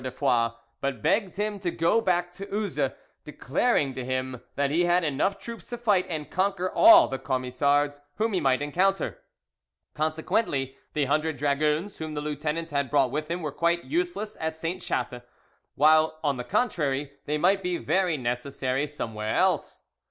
de Foix, but begged him to go back to Uzes, declaring to him that he had enough troops to fight and conquer all the Camisards whom he might encounter; consequently the hundred dragoons whom the lieutenant had brought with him were quite useless at Sainte Chatte, while on the contrary they might be very necessary somewhere else.